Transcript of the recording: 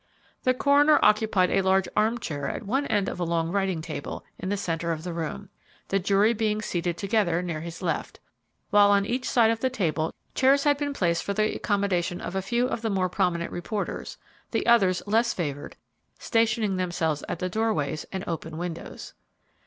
The coroner occupied a large arm chair at one end of a long writing table in the centre of the room, the jury being seated together near his left, while on each side of the table chairs had been placed for the accommodation of a few of the more prominent reporters, the others, less favored, stationing themselves at the doorways and open windows.